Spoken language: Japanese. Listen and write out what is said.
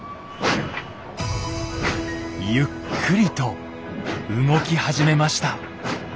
ゆっくりと動き始めました。